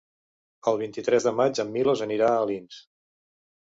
El vint-i-tres de maig en Milos anirà a Alins.